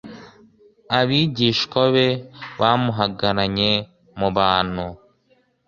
abigishwa be bamuhagaranye mu bantu,